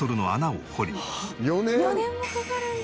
「４年もかかるんだ」